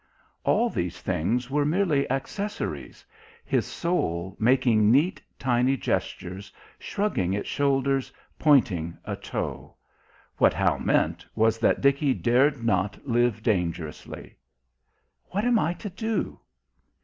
All these things were merely accessories: his soul making neat, tiny gestures, shrugging its shoulders, pointing a toe. What Hal meant was that Dickie dared not live dangerously. "What am I to do?"